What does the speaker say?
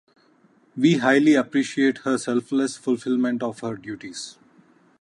We highly appreciate her selfless fulfillment of her duties.